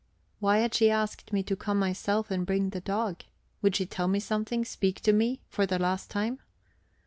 Why had she asked me to come myself and bring the dog? Would she tell me something, speak to me, for the last time?